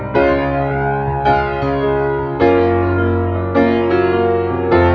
kamu adalah keindahan yang tak bisa dihapus